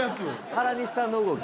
原西さんの動き！